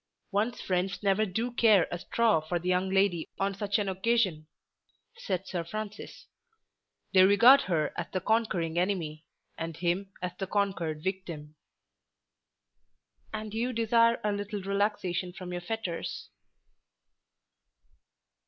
"One's friends never do care a straw for the young lady on such an occasion," said Sir Francis. "They regard her as the conquering enemy, and him as the conquered victim." "And you desire a little relaxation from your fetters."